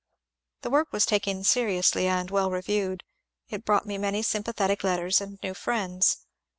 The work was taken seriously and well reviewed ; it brought me many sympathetic letters and new friends.